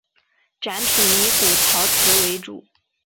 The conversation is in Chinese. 展品以古陶瓷为主。